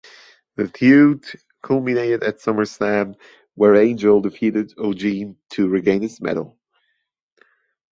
The feud culminated at SummerSlam, where Angle defeated Eugene to regain his medal.